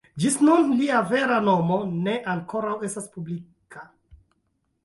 Ĝis nun, lia vera nomo ne ankoraŭ estas publika.